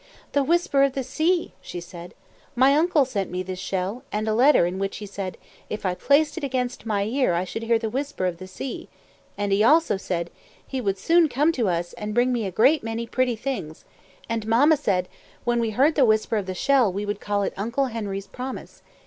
"The whisper of the sea," she said. "My uncle sent me this shell, and a letter in which he said, 'If I placed it against my ear I should hear the whisper of the sea;' and he also said, he would soon come to us, and bring me a great many pretty things; and mamma said, when we heard the whisper of the shell, we would call it uncle Henry's promise.